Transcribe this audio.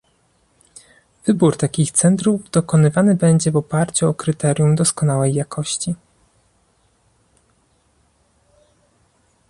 Wybór takich centrów dokonywany będzie w oparciu o kryterium doskonałej jakości